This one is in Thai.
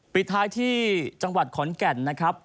ปิดท้ายที่จังหวัดขอนแก่นนะครับ